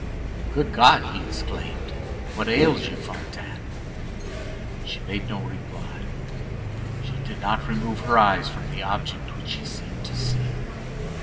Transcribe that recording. "Good God!" he exclaimed; "what ails you, Fantine?" She made no reply; she did not remove her eyes from the object which she seemed to see.